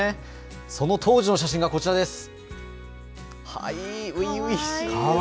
その当時の写真がこちらです。